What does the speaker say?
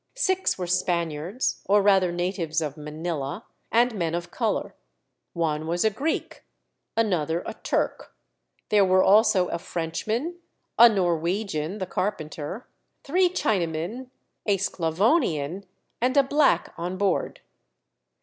Six were Spaniards, or rather natives of Manilla, and men of colour; one was a Greek, another a Turk; there were also a Frenchman, a Norwegian (the carpenter), three Chinamen, a "Sclavonian," and a black on board.